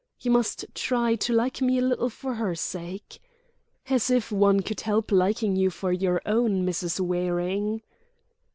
"You must try to like me a little for her sake—" "As if one could help liking you for your own, Mrs. Waring!"